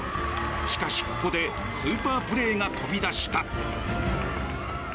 しかし、ここでスーパープレーが飛び出した。